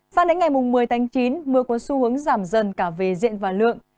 sang đến ngày mùng một mươi chín mưa có xu hướng giảm dần cả về diện và lượng